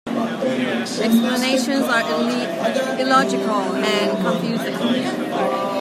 Explanations are illogical and confusing.